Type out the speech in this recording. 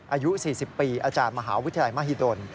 อายุ๔๐ปีอาจารย์มหาวิทยาลัยมหิดล